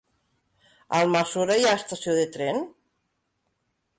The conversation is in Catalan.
A Almassora hi ha estació de tren?